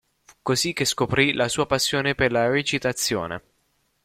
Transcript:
Fu così che scoprì la sua passione per la recitazione.